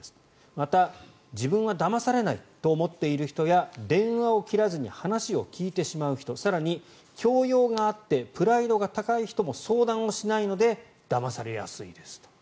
また、自分はだまされないと思っている人や電話を切らずに話を聞いてしまう人更に教養があってプライドが高い人も相談をしないのでだまされやすいですと。